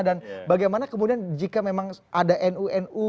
dan bagaimana kemudian jika memang ada nu nu